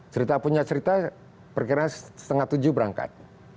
cerita punya cerita perkiranya setengah tujuh berangkat